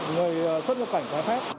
người xuất nhập cảnh trái phép